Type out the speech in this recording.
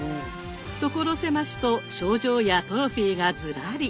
所狭しと賞状やトロフィーがずらり！